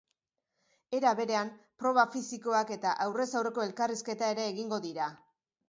Era berean, proba fisikoak eta aurrez aurreko elkarrizketa ere egingo dira.